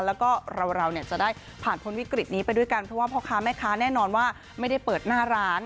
แล้วก็เราจะได้ผ่านพ้นวิกฤตนี้ไปด้วยกันเพราะว่าพ่อค้าแม่ค้าแน่นอนว่าไม่ได้เปิดหน้าร้าน